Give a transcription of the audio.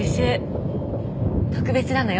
特別なのよ。